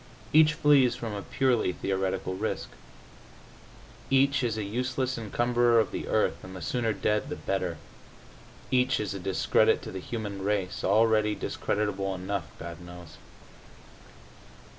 Each flees from a purely theoretical risk. Each is a useless encumberer of the earth, and the sooner dead the better. Each is a discredit to the human race, already discreditable enough, God knows.